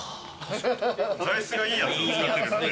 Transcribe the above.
材質がいいやつを使ってるので。